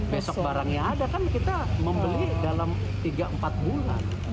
besok barangnya ada kan kita membeli dalam tiga empat bulan